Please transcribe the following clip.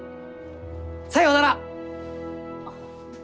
さようなら！